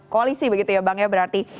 koalisi begitu ya bang ya berarti